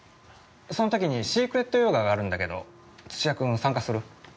その時にシークレット・ヨーガがあるんだけど土谷君参加する？